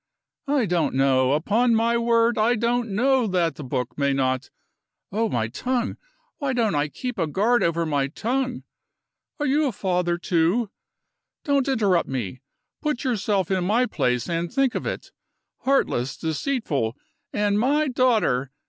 I don't know; upon my word I don't know that the book may not Oh, my tongue! Why don't I keep a guard over my tongue? Are you a father, too? Don't interrupt me. Put yourself in my place, and think of it. Heartless, deceitful, and my daughter.